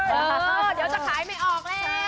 เดี๋ยวจะขายไม่ออกแล้ว